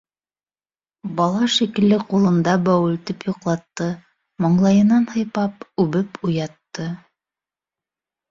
Бала шикелле ҡулында бәүелтеп йоҡлатты, маңлайынан һыйпап, үбеп уятты...